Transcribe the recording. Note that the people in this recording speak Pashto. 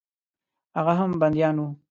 هغه هم بندیان وه.